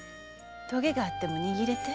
トゲがあっても握れて？